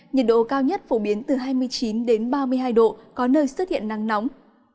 nhiệt độ cao nhất phổ biến từ hai mươi chín ba mươi hai độ có nơi xuất hiện nắng nóng